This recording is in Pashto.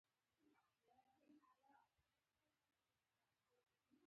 ښه چلند د کاروبار روح دی.